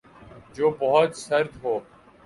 جو بہت سرد ہوں